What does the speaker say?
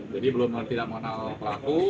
jadi belum tidak mengenal pelaku